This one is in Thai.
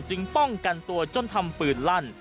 ป้องกันตัวจนทำปืนลั่น